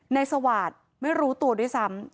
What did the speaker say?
ในสวาสไม่รู้ตัวด้วยซ้ำ